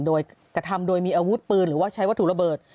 โดยกระทำโดยมีอาวุธปืนหรือว่าใช้วัตถุระเบิด